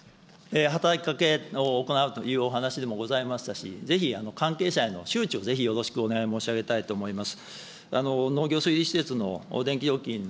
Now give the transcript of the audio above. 働きかけを行うというお話でもございましたし、ぜひ関係者への周知をぜひよろしくお願い申し上げたいと思います。